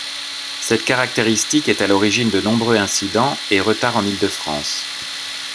Cette caractéristique est à l'origine de nombreux incidents et retards en Île-de-France.